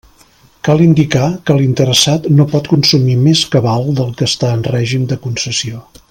Cal indicar que l'interessat no pot consumir més cabal del que està en règim de concessió.